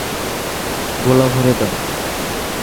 গোলা ভরে দাও!